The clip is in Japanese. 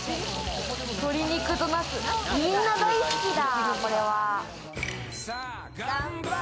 鶏肉とナス、みんな大好きだ、これは。